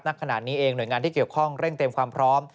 ขณะนี้เองหน่วยงานที่เกี่ยวข้องเร่งเตรียมความพร้อม